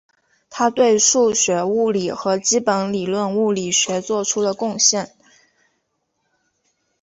他对数学物理和基本理论物理学做出了贡献。